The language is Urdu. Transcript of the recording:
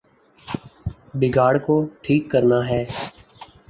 بگاڑ کو ٹھیک کرنا ہے۔